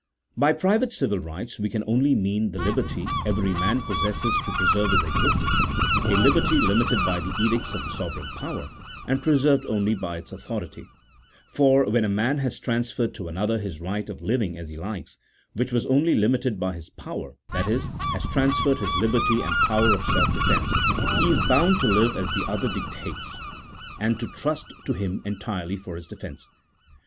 By private civil right we can only mean the liberty every man possesses to preserve his existence, a liberty limited by the edicts of the sovereign power, and preserved only by its authority : for when a man has transferred to another his right of living as he likes, which was only limited by his power, that is, has transferred his liberty and power of self defence, he is bound to live as that other dictates, and to trust to him entirely for his defence.